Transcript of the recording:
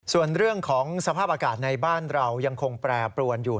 ส่วนเรื่องของสภาพอากาศในบ้านเรายังคงแปรปรวนอยู่